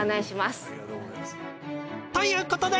ということで。